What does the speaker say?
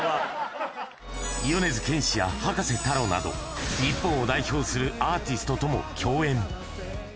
米津玄師や葉加瀬太郎など、日本を代表するアーティストとも共演。